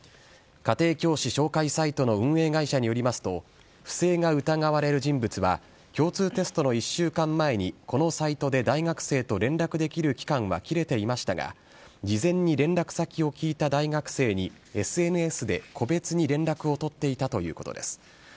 家庭教師紹介サイトの運営会社によりますと、不正が疑われる人物は、共通テストの１週間前にこのサイトで大学生と連絡できる期間は切れていましたが、事前に連絡先を聞いた大学生にＳＮＳで個別に連絡を取っていたということです。